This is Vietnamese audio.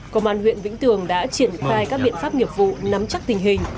công an huyện vĩnh tường đã triển khai các biện pháp nghiệp vụ nắm chắc tình hình